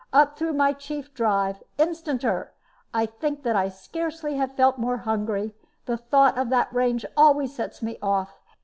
Up through my chief drive, instanter! I think that I scarcely ever felt more hungry. The thought of that range always sets me off.